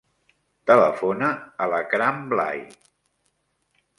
Telefona a l'Akram Blay.